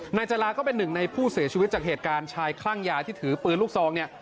นายจราก็เป็นหนึ่งในผู้เสียชีวิตจากเหตุการณ์ชายคลั่งยาที่ถือปืนลูกซองเนี่ย